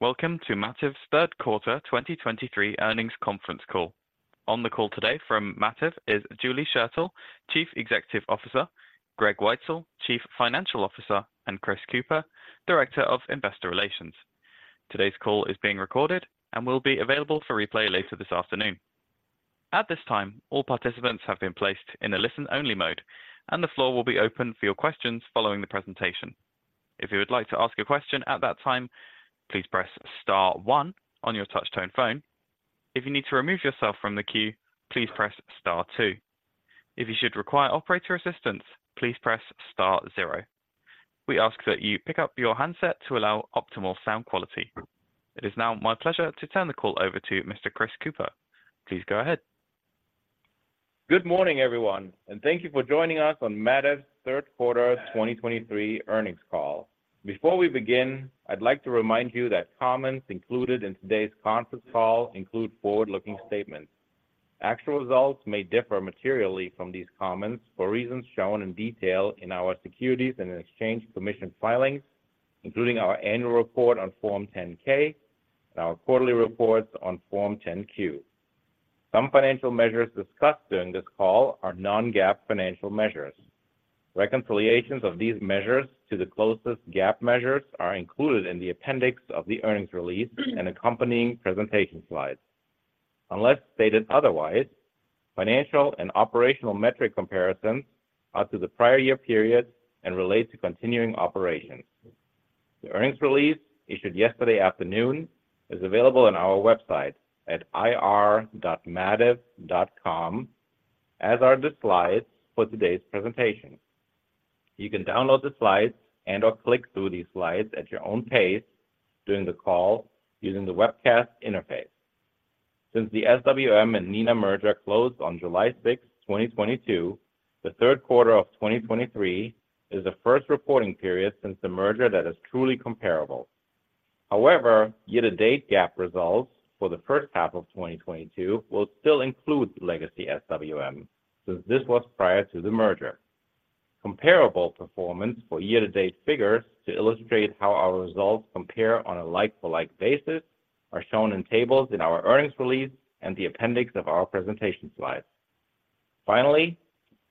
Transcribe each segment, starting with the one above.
Welcome to Mativ's Third Quarter 2023 Earnings Conference Call. On the call today from Mativ is Julie Schertell, Chief Executive Officer, Greg Weitzel, Chief Financial Officer, and Chris Kuepper, Director of Investor Relations. Today's call is being recorded and will be available for replay later this afternoon. At this time, all participants have been placed in a listen-only mode, and the floor will be open for your questions following the presentation. If you would like to ask a question at that time, please press star one on your touchtone phone. If you need to remove yourself from the queue, please press star two. If you should require operator assistance, please press star zero. We ask that you pick up your handset to allow optimal sound quality. It is now my pleasure to turn the call over to Mr. Christopher Kuepper Please go ahead. Good morning, everyone, and thank you for joining us on Mativ's Third Quarter of 2023 Earnings Call. Before we begin, I'd like to remind you that comments included in today's conference call include forward-looking statements. Actual results may differ materially from these comments for reasons shown in detail in our Securities and Exchange Commission filings, including our annual report on Form 10-K and our quarterly reports on Form 10-Q. Some financial measures discussed during this call are non-GAAP financial measures. Reconciliations of these measures to the closest GAAP measures are included in the appendix of the earnings release and accompanying presentation slides. Unless stated otherwise, financial and operational metric comparisons are to the prior year period and relate to continuing operations. The earnings release, issued yesterday afternoon, is available on our website at ir.mativ.com, as are the slides for today's presentation. You can download the slides and/or click through these slides at your own pace during the call using the webcast interface. Since the SWM and Neenah merger closed on July 6, 2022, the Third Quarter of 2023 is the first reporting period since the merger that is truly comparable. However, year-to-date GAAP results for the first half of 2022 will still include legacy SWM, since this was prior to the merger. Comparable performance for year-to-date figures to illustrate how our results compare on a like-for-like basis are shown in tables in our earnings release and the appendix of our presentation slides. Finally,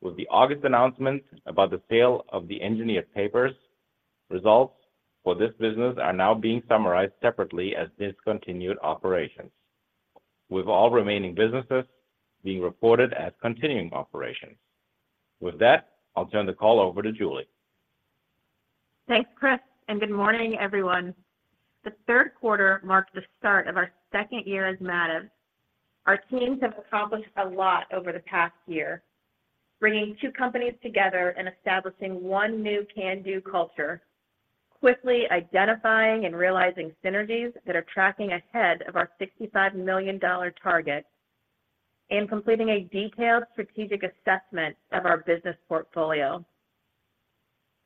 with the August announcement about the sale of the engineered papers, results for this business are now being summarized separately as discontinued operations, with all remaining businesses being reported as continuing operations. With that, I'll turn the call over to Julie. Thanks, Chris, and good morning, everyone. The third quarter marked the start of our second year as Mativ. Our teams have accomplished a lot over the past year, bringing two companies together and establishing one new can-do culture, quickly identifying and realizing synergies that are tracking ahead of our $65 million target, and completing a detailed strategic assessment of our business portfolio.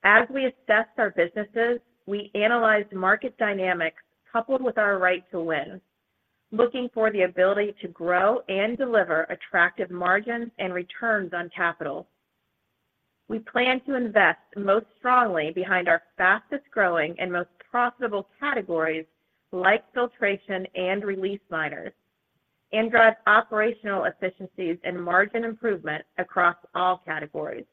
As we assessed our businesses, we analyzed market dynamics coupled with our right to win, looking for the ability to grow and deliver attractive margins and returns on capital. We plan to invest most strongly behind our fastest-growing and most profitable categories, like filtration and release liners, and drive operational efficiencies and margin improvement across all categories.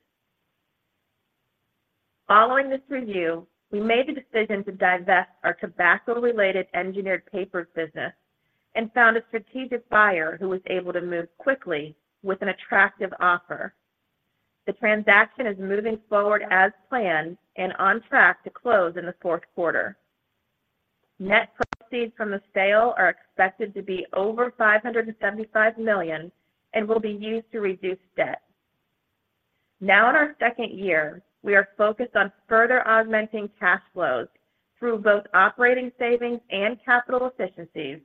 Following this review, we made the decision to divest our tobacco-related engineered papers business and found a strategic buyer who was able to move quickly with an attractive offer. The transaction is moving forward as planned and on track to close in the fourth quarter. Net proceeds from the sale are expected to be over $575 million and will be used to reduce debt. Now in our second year, we are focused on further augmenting cash flows through both operating savings and capital efficiencies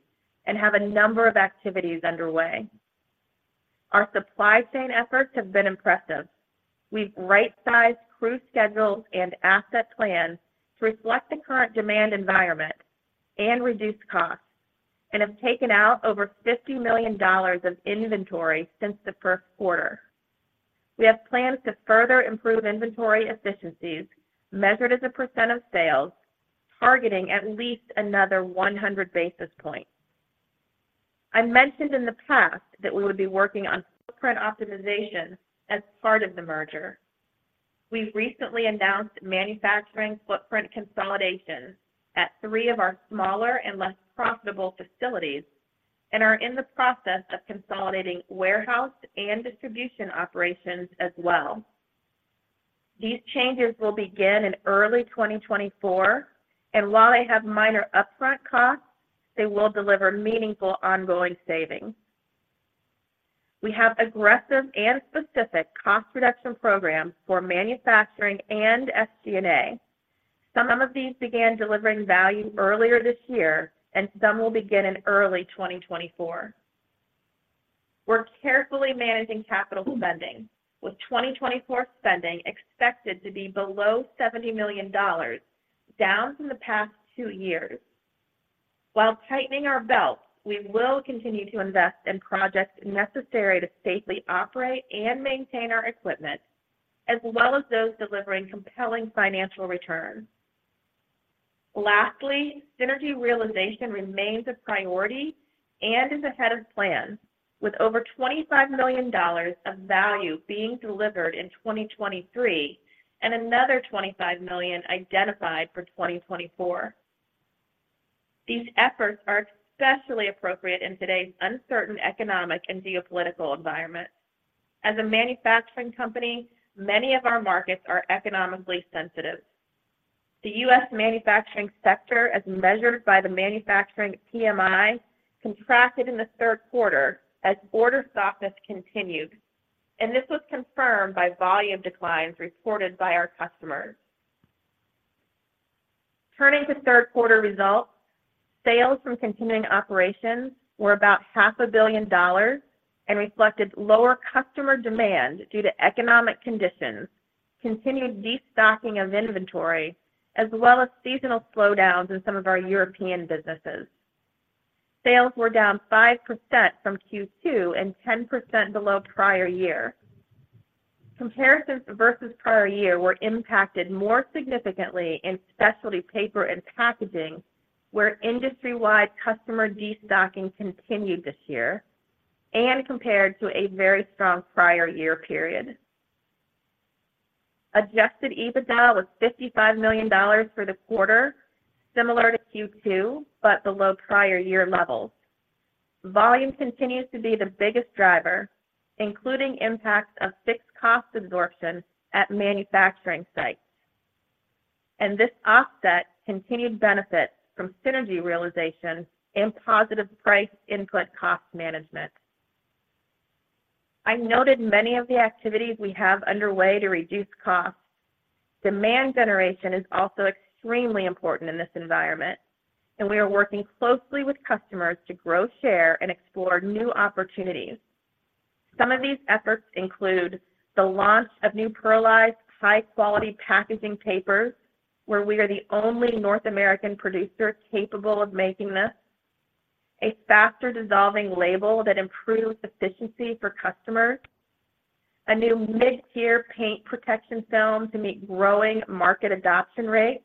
and have a number of activities underway. Our supply chain efforts have been impressive. We've right-sized crew schedules and asset plans to reflect the current demand environment and reduce costs and have taken out over $50 million of inventory since the first quarter. We have plans to further improve inventory efficiencies, measured as a percent of sales, targeting at least another 100 basis points. I mentioned in the past that we would be working on footprint optimization as part of the merger. We've recently announced manufacturing footprint consolidation at three of our smaller and less profitable facilities and are in the process of consolidating warehouse and distribution operations as well. These changes will begin in early 2024, and while they have minor upfront costs, they will deliver meaningful ongoing savings. We have aggressive and specific cost reduction programs for manufacturing and SG&A. Some of these began delivering value earlier this year, and some will begin in early 2024. We're carefully managing capital spending, with 2024 spending expected to be below $70 million, down from the past two years. While tightening our belt, we will continue to invest in projects necessary to safely operate and maintain our equipment as well as those delivering compelling financial returns. Lastly, synergy realization remains a priority and is ahead of plan, with over $25 million of value being delivered in 2023, and another $25 million identified for 2024. These efforts are especially appropriate in today's uncertain economic and geopolitical environment. As a manufacturing company, many of our markets are economically sensitive. The U.S. manufacturing sector, as measured by the Manufacturing PMI, contracted in the third quarter as order softness continued, and this was confirmed by volume declines reported by our customers. Turning to third quarter results, sales from continuing operations were about $500 million and reflected lower customer demand due to economic conditions, continued destocking of inventory, as well as seasonal slowdowns in some of our European businesses. Sales were down 5% from Q2 and 10% below prior year. Comparisons versus prior year were impacted more significantly in specialty paper and packaging, where industry-wide customer destocking continued this year and compared to a very strong prior year period. Adjusted EBITDA was $55 million for the quarter, similar to Q2, but below prior year levels. Volume continues to be the biggest driver, including impacts of fixed cost absorption at manufacturing sites. This offset continued benefits from synergy realization and positive price input cost management. I noted many of the activities we have underway to reduce costs. Demand generation is also extremely important in this environment, and we are working closely with customers to grow, share, and explore new opportunities. Some of these efforts include the launch of new pearlized, high-quality packaging papers, where we are the only North American producer capable of making this, a faster-dissolving label that improves efficiency for customers, a new mid-tier paint protection film to meet growing market adoption rates,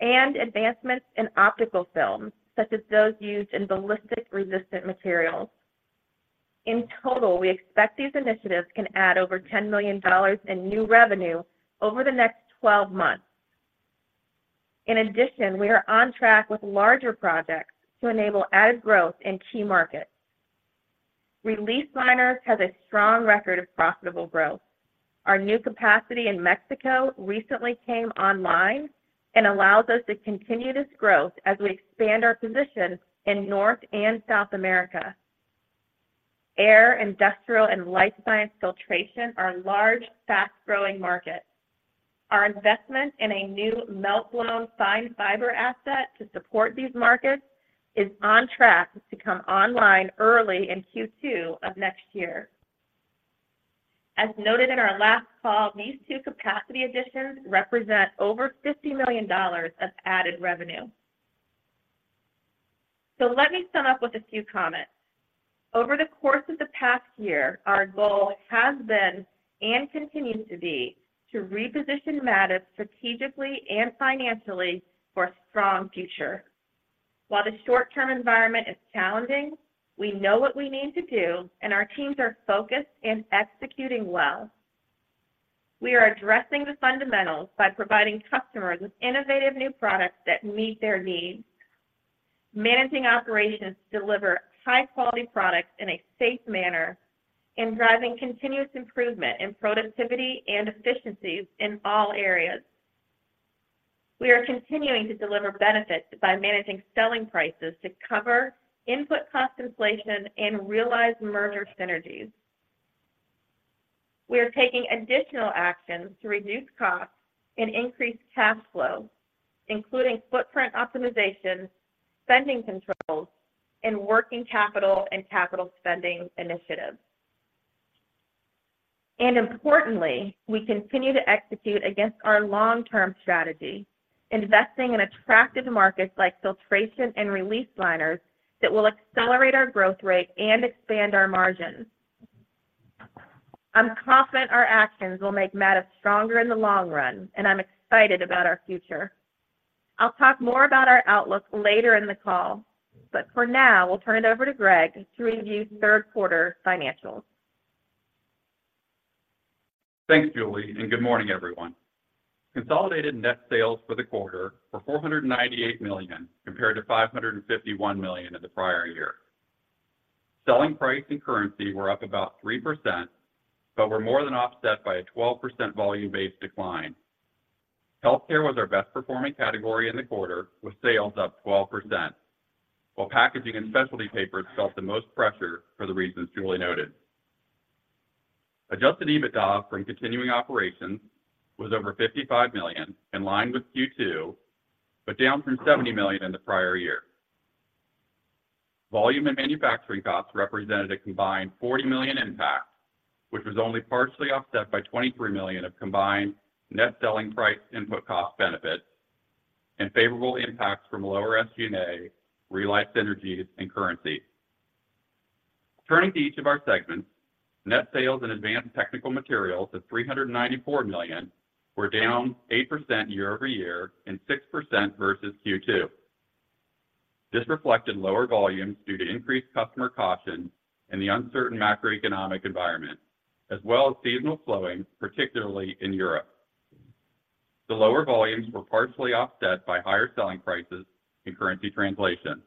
and advancements in optical film, such as those used in ballistic-resistant materials. In total, we expect these initiatives can add over $10 million in new revenue over the next 12 months. In addition, we are on track with larger projects to enable added growth in key markets. Release Liners has a strong record of profitable growth. Our new capacity in Mexico recently came online and allows us to continue this growth as we expand our position in North and South America. Air, industrial, and life science filtration are large, fast-growing markets. Our investment in a new Melt-Blown Fine Fiber asset to support these markets is on track to come online early in Q2 of next year. As noted in our last call, these two capacity additions represent over $50 million of added revenue. So let me sum up with a few comments. Over the course of the past year, our goal has been, and continues to be, to reposition Mativ strategically and financially for a strong future. While the short-term environment is challenging, we know what we need to do, and our teams are focused and executing well. We are addressing the fundamentals by providing customers with innovative new products that meet their needs, managing operations to deliver high-quality products in a safe manner, and driving continuous improvement in productivity and efficiencies in all areas. We are continuing to deliver benefits by managing selling prices to cover input cost inflation and realize merger synergies. We are taking additional actions to reduce costs and increase cash flow, including footprint optimization, spending controls, and working capital and capital spending initiatives. Importantly, we continue to execute against our long-term strategy, investing in attractive markets like filtration and release liners that will accelerate our growth rate and expand our margins. I'm confident our actions will make Mativ stronger in the long run, and I'm excited about our future. I'll talk more about our outlook later in the call, but for now, we'll turn it over to Greg to review third quarter financials. Thanks, Julie, and good morning, everyone. Consolidated net sales for the quarter were $498 million, compared to $551 million in the prior year. Selling price and currency were up about 3%, but were more than offset by a 12% volume-based decline. Healthcare was our best-performing category in the quarter, with sales up 12%, while packaging and specialty papers felt the most pressure for the reasons Julie noted. Adjusted EBITDA from continuing operations was over $55 million, in line with Q2, but down from $70 million in the prior year. Volume and manufacturing costs represented a combined $40 million impact, which was only partially offset by $23 million of combined net selling price input cost benefits and favorable impacts from lower SG&A, realized synergies, and currency. Turning to each of our segments, net sales in Advanced Technical Materials of $394 million were down 8% year-over-year and 6% versus Q2. This reflected lower volumes due to increased customer caution and the uncertain macroeconomic environment, as well as seasonal slowing, particularly in Europe. The lower volumes were partially offset by higher selling prices and currency translation.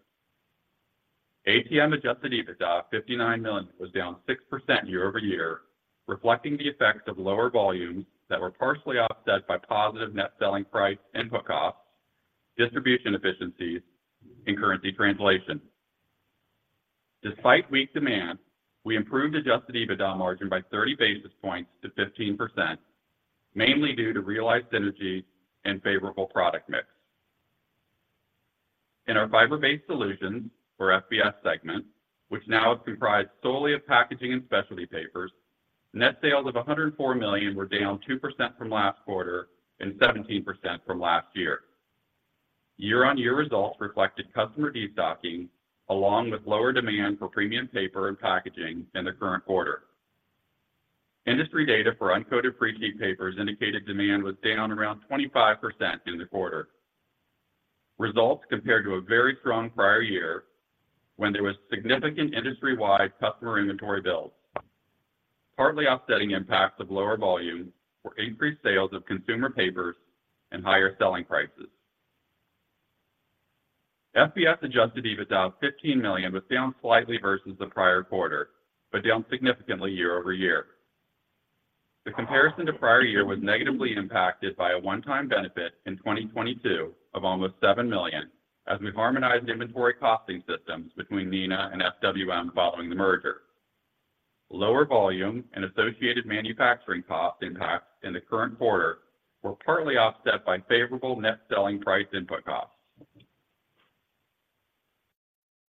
ATM adjusted EBITDA, $59 million, was down 6% year-over-year, reflecting the effects of lower volumes that were partially offset by positive net selling price and input costs, distribution efficiencies and currency translation. Despite weak demand, we improved adjusted EBITDA margin by 30 basis points to 15%, mainly due to realized synergies and favorable product mix. In our Fiber-Based Solutions or FBS segment, which now is comprised solely of packaging and specialty papers, net sales of $104 million were down 2% from last quarter and 17% from last year. Year-on-year results reflected customer destocking, along with lower demand for premium paper and packaging in the current quarter. Industry data for uncoated free sheet papers indicated demand was down around 25% in the quarter. Results compared to a very strong prior year when there was significant industry-wide customer inventory builds. Partly offsetting impacts of lower volumes were increased sales of consumer papers and higher selling prices. FBS adjusted EBITDA of $15 million was down slightly versus the prior quarter, but down significantly year-over-year. The comparison to prior year was negatively impacted by a one-time benefit in 2022 of almost $7 million, as we harmonized inventory costing systems between Neenah and SWM following the merger. Lower volume and associated manufacturing cost impacts in the current quarter were partly offset by favorable net selling price input costs.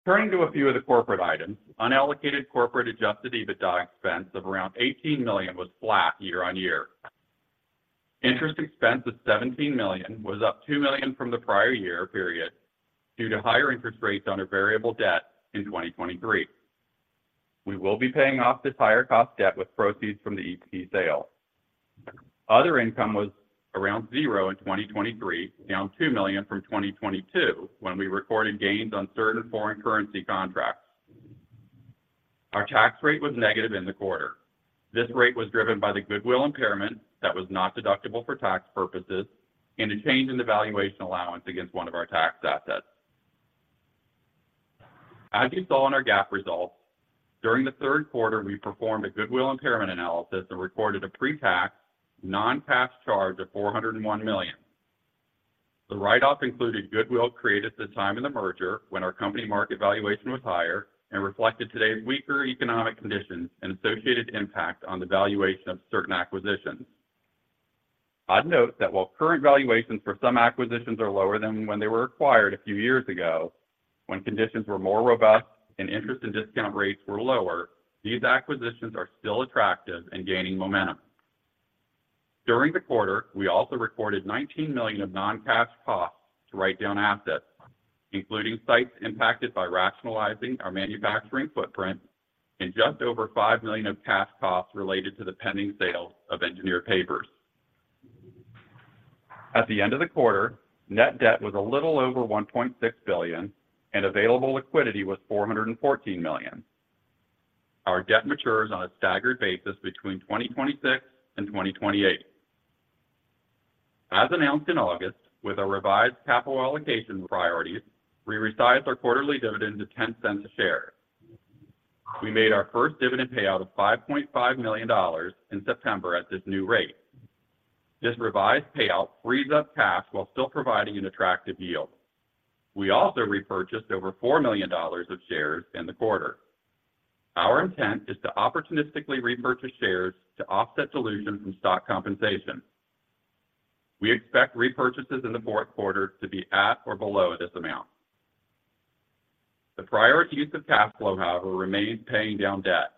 Turning to a few of the corporate items, unallocated corporate adjusted EBITDA expense of around $18 million was flat year-on-year. Interest expense of $17 million was up $2 million from the prior year period due to higher interest rates on our variable debt in 2023. We will be paying off this higher cost debt with proceeds from the EP sale. Other income was around zero in 2023, down $2 million from 2022, when we recorded gains on certain foreign currency contracts. Our tax rate was negative in the quarter. This rate was driven by the Goodwill Impairment that was not deductible for tax purposes and a change in the valuation allowance against one of our tax assets. As you saw in our GAAP results, during the third quarter, we performed a Goodwill Impairment analysis and recorded a pre-tax, non-cash charge of $401 million. The write-off included goodwill created at the time of the merger, when our company market valuation was higher, and reflected today's weaker economic conditions and associated impact on the valuation of certain acquisitions. I'd note that while current valuations for some acquisitions are lower than when they were acquired a few years ago, when conditions were more robust and interest and discount rates were lower, these acquisitions are still attractive and gaining momentum. During the quarter, we also recorded $19 million of non-cash costs to write down assets, including sites impacted by rationalizing our manufacturing footprint and just over $5 million of cash costs related to the pending sale of engineered papers. At the end of the quarter, net debt was a little over $1.6 billion, and available liquidity was $414 million. Our debt matures on a staggered basis between 2026 and 2028. As announced in August, with our revised capital allocation priorities, we resized our quarterly dividend to $0.10 a share. We made our first dividend payout of $5.5 million in September at this new rate. This revised payout frees up cash while still providing an attractive yield. We also repurchased over $4 million of shares in the quarter. Our intent is to opportunistically repurchase shares to offset dilution from stock compensation. We expect repurchases in the fourth quarter to be at or below this amount. The priority use of cash flow, however, remains paying down debt.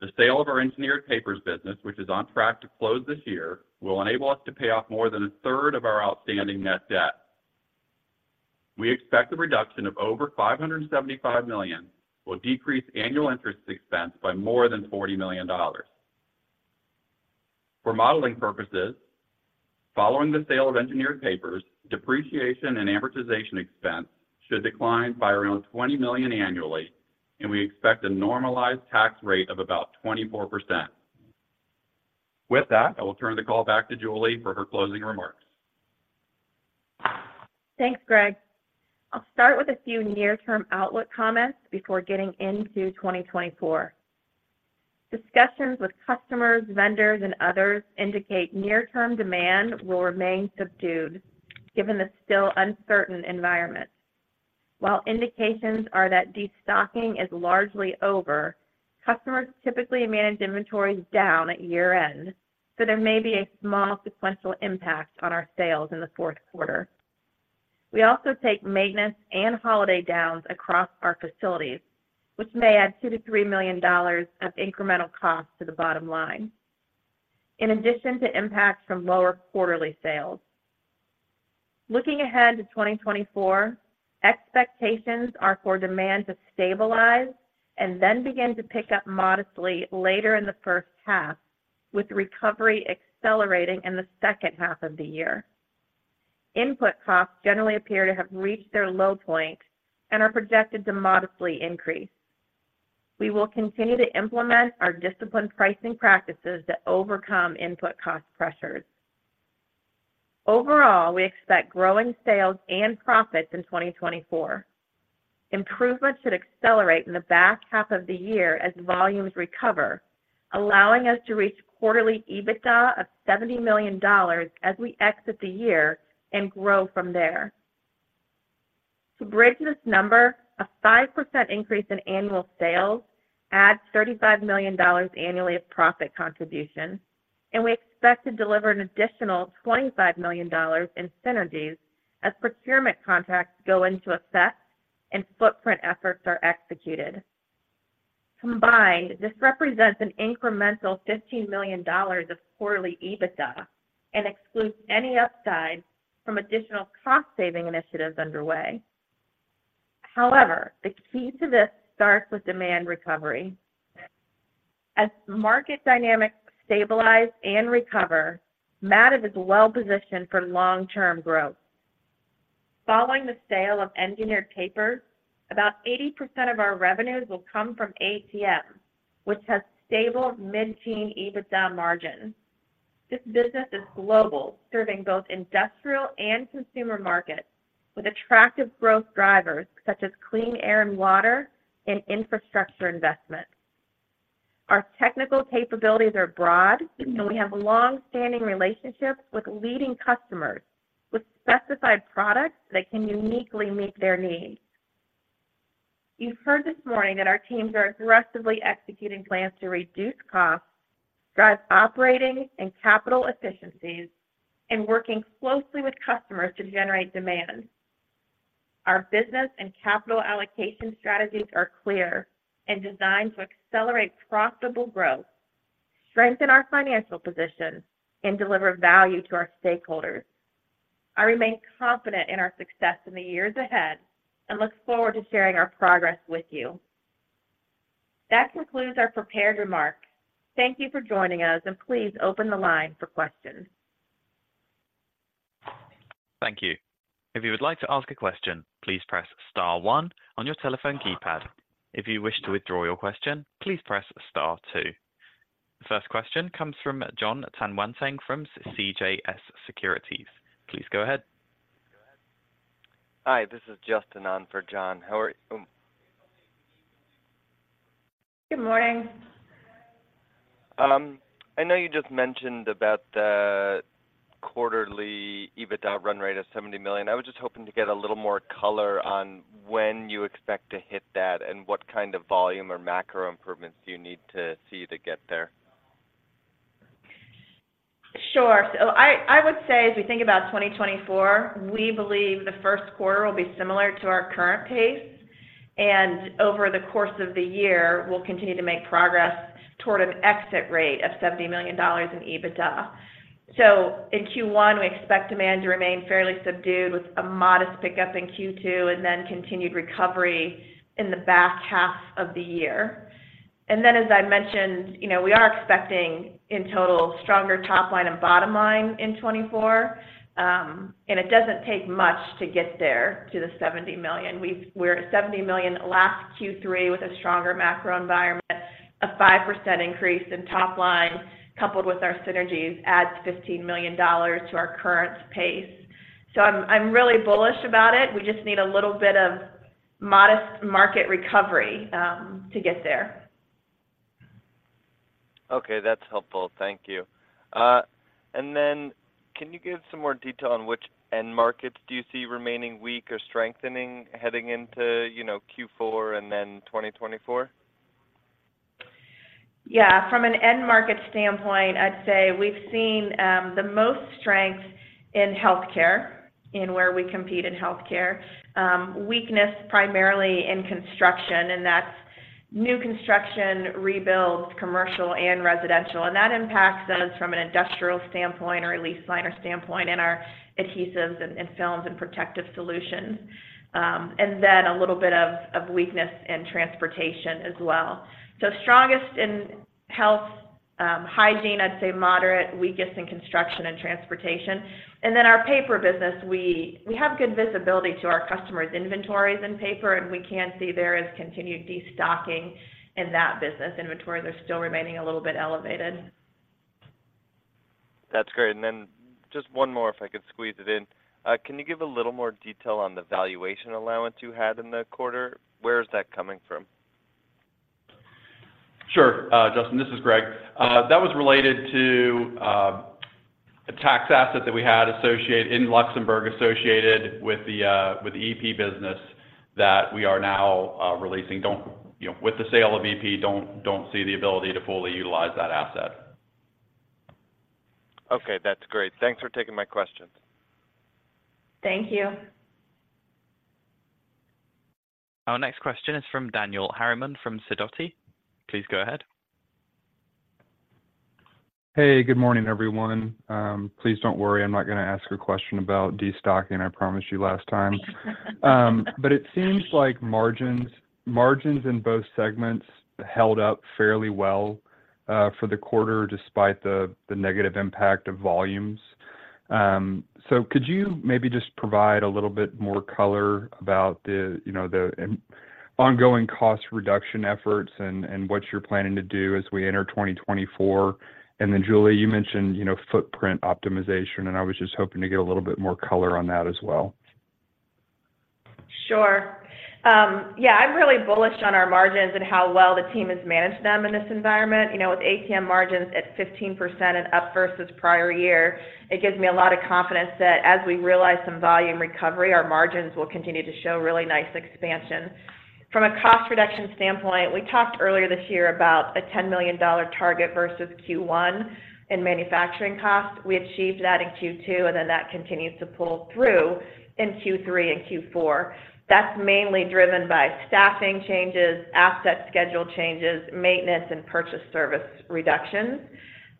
The sale of our engineered papers business, which is on track to close this year, will enable us to pay off more than a third of our outstanding net debt. We expect the reduction of over $575 million will decrease annual interest expense by more than $40 million. For modeling purposes, following the sale of engineered papers, depreciation and amortization expense should decline by around $20 million annually, and we expect a normalized tax rate of about 24%. With that, I will turn the call back to Julie for her closing remarks. Thanks, Greg. I'll start with a few near-term outlook comments before getting into 2024. Discussions with customers, vendors, and others indicate near-term demand will remain subdued, given the still uncertain environment. While indications are that destocking is largely over, customers typically manage inventories down at year-end, so there may be a small sequential impact on our sales in the fourth quarter. We also take maintenance and holiday downs across our facilities, which may add $2 million to $3 million of incremental costs to the bottom line. In addition to impacts from lower quarterly sales. Looking ahead to 2024, expectations are for demand to stabilize and then begin to pick up modestly later in the first half, with recovery accelerating in the second half of the year. Input costs generally appear to have reached their low point and are projected to modestly increase. We will continue to implement our disciplined pricing practices to overcome input cost pressures. Overall, we expect growing sales and profits in 2024. Improvements should accelerate in the back half of the year as volumes recover, allowing us to reach quarterly EBITDA of $70 million as we exit the year and grow from there. To bridge this number, a 5% increase in annual sales adds $35 million annually of profit contribution, and we expect to deliver an additional $25 million in synergies as procurement contracts go into effect and footprint efforts are executed. Combined, this represents an incremental $15 million of quarterly EBITDA and excludes any upside from additional cost-saving initiatives underway. However, the key to this starts with demand recovery. As market dynamics stabilize and recover, Mativ is well positioned for long-term growth. Following the sale of engineered papers, about 80% of our revenues will come from ATM, which has stable mid-teen EBITDA margins. This business is global, serving both industrial and consumer markets with attractive growth drivers such as clean air and water and infrastructure investment. Our technical capabilities are broad, and we have long-standing relationships with leading customers with specified products that can uniquely meet their needs. You've heard this morning that our teams are aggressively executing plans to reduce costs, drive operating and capital efficiencies, and working closely with customers to generate demand. Our business and capital allocation strategies are clear and designed to accelerate profitable growth, strengthen our financial position, and deliver value to our stakeholders. I remain confident in our success in the years ahead and look forward to sharing our progress with you. That concludes our prepared remarks. Thank you for joining us, and please open the line for questions. Thank you. If you would like to ask a question, please press star one on your telephone keypad. If you wish to withdraw your question, please press star two. The first question comes from Jonathan Tanwanteng from CJS Securities. Please go ahead. Hi, this is Justin on for John. How are you? Good morning. I know you just mentioned about the quarterly EBITDA run rate of $70 million. I was just hoping to get a little more color on when you expect to hit that and what kind of volume or macro improvements do you need to see to get there? Sure. So I would say as we think about 2024, we believe the first quarter will be similar to our current pace, and over the course of the year, we'll continue to make progress toward an exit rate of $70 million in EBITDA. So in Q1, we expect demand to remain fairly subdued, with a modest pickup in Q2, and then continued recovery in the back half of the year. And then, as I mentioned, you know, we are expecting, in total, stronger top line and bottom line in 2024, and it doesn't take much to get there to the $70 million. We're at $70 million last Q3 with a stronger macro environment. A 5% increase in top line, coupled with our synergies, adds $15 million to our current pace. So I'm really bullish about it. We just need a little bit of modest market recovery, to get there. Okay, that's helpful. Thank you. And then can you give some more detail on which end markets do you see remaining weak or strengthening, heading into, you know, Q4 and then 2024? Yeah. From an end market standpoint, I'd say we've seen the most strength in healthcare, in where we compete in healthcare. Weakness primarily in construction, and that's new construction, rebuild, commercial, and residential. And that impacts us from an industrial standpoint or a release liner standpoint in our adhesives and films and protective solutions. And then a little bit of weakness in transportation as well. So strongest in health, hygiene, I'd say moderate, weakest in construction and transportation. And then our paper business, we have good visibility to our customers' inventories in paper, and we can see there is continued destocking in that business. Inventories are still remaining a little bit elevated. That's great. Then just one more, if I could squeeze it in. Can you give a little more detail on the valuation allowance you had in the quarter? Where is that coming from? Sure, Justin, this is Greg. That was related to a tax asset that we had associated in Luxembourg, associated with the EP business that we are now releasing. You know, with the sale of EP, don't see the ability to fully utilize that asset. Okay, that's great. Thanks for taking my questions. Thank you. Our next question is from Daniel Harriman from Sidoti. Please go ahead. Hey, good morning, everyone. Please don't worry, I'm not going to ask a question about destocking. I promised you last time. But it seems like margins in both segments held up fairly well, for the quarter, despite the negative impact of volumes. So could you maybe just provide a little bit more color about the, you know, the ongoing cost reduction efforts and what you're planning to do as we enter 2024? And then, Julie, you mentioned, you know, footprint optimization, and I was just hoping to get a little bit more color on that as well. Sure. Yeah, I'm really bullish on our margins and how well the team has managed them in this environment. You know, with ATM margins at 15% and up versus prior year, it gives me a lot of confidence that as we realize some volume recovery, our margins will continue to show really nice expansion. From a cost reduction standpoint, we talked earlier this year about a $10 million target versus Q1 in manufacturing costs. We achieved that in Q2, and then that continues to pull through in Q3 and Q4. That's mainly driven by staffing changes, asset schedule changes, maintenance, and purchase service reductions.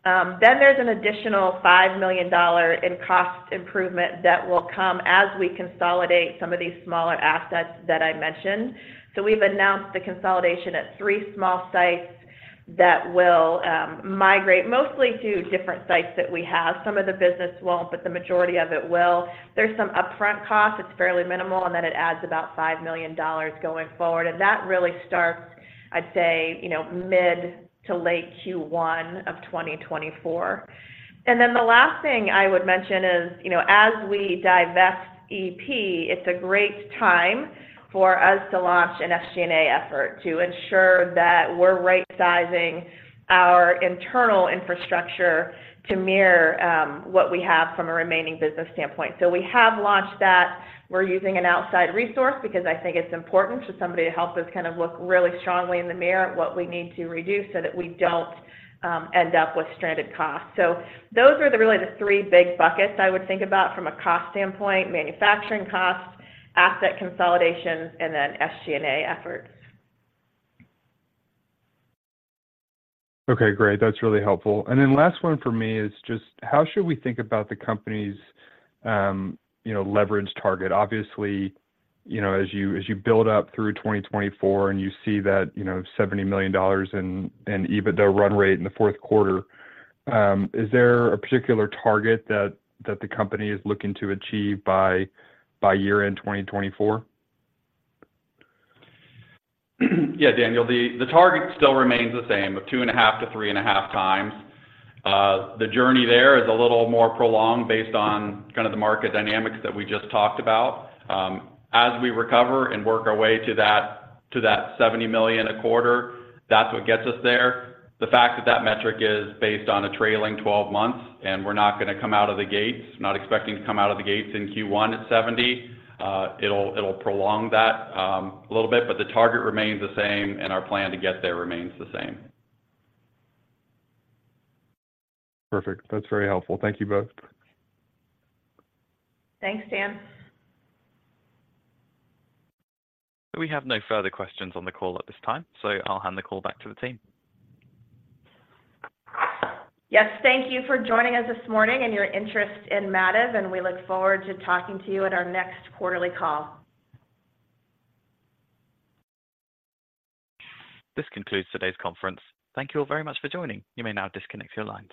Then there's an additional $5 million in cost improvement that will come as we consolidate some of these smaller assets that I mentioned. So we've announced the consolidation at three small sites that will migrate mostly to different sites that we have. Some of the business won't, but the majority of it will. There's some upfront costs. It's fairly minimal, and then it adds about $5 million going forward, and that really starts, I'd say, you know, mid- to late Q1 of 2024. And then the last thing I would mention is, you know, as we divest EP, it's a great time for us to launch an SGNA effort to ensure that we're right-sizing our internal infrastructure to mirror what we have from a remaining business standpoint. So we have launched that. We're using an outside resource because I think it's important for somebody to help us kind of look really strongly in the mirror at what we need to reduce so that we don't end up with stranded costs. So those are the really, the three big buckets I would think about from a cost standpoint: manufacturing costs, asset consolidations, and then SG&A efforts. Okay, great. That's really helpful. And then last one for me is just: How should we think about the company's, you know, leverage target? Obviously, you know, as you build up through 2024 and you see that, you know, $70 million in EBITDA run rate in the fourth quarter, is there a particular target that the company is looking to achieve by year-end 2024? Yeah, Daniel, the target still remains the same, 2.5x to 3.5x. The journey there is a little more prolonged based on kind of the market dynamics that we just talked about. As we recover and work our way to that $70 million a quarter, that's what gets us there. The fact that that metric is based on a trailing twelve months, and we're not going to come out of the gates, not expecting to come out of the gates in Q1 at $70 million, it'll prolong that a little bit, but the target remains the same, and our plan to get there remains the same. Perfect. That's very helpful. Thank you both. Thanks, Dan. We have no further questions on the call at this time, so I'll hand the call back to the team. Yes, thank you for joining us this morning and your interest in Mativ, and we look forward to talking to you at our next quarterly call. This concludes today's conference. Thank you all very much for joining. You may now disconnect your lines.